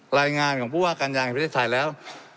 รายงานของผู้ว่าการยางพิธีไทยแล้ว